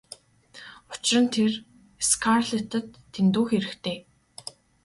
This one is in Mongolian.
Учир нь тэр Скарлеттад дэндүү хэрэгтэй.